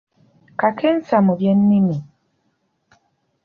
Kakensa mu by’ennimi.